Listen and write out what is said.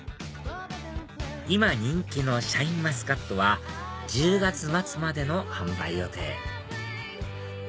今人気のシャインマスカットは１０月末までの販売予定